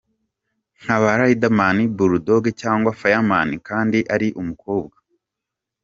nka ba Riderman, Bull Dogg cyangwa Fireman kandi ari umukobwa.